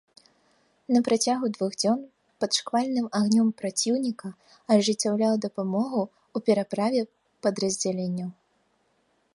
На працягу двух дзён пад шквальным агнём праціўніка ажыццяўляў дапамогу ў пераправе падраздзяленняў.